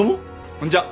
こんにちは。